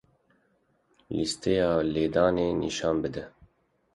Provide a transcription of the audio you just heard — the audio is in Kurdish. Lîsteya lêdanê nîşan bide.